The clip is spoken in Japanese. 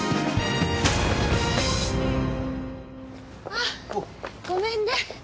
あごめんね。